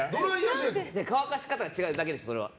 乾かし方が違うだけです。